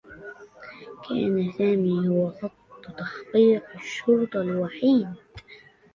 كان سامي هو خط تحقيق الشّرطة الوحيد.